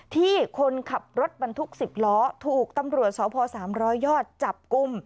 ที่คนขับรถบรรทุก๑๐ล้อถูกตำรวจสพ๓๐๐ยอดจับกลุ่ม